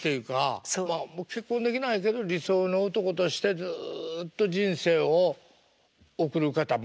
もう結婚できないけど理想の男としてずっと人生を送る方も多いでしょ。